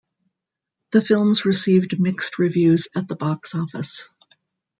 The films received mixed reviews at the box office.